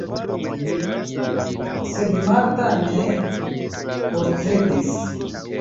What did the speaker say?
Sed Marta ne oscedis.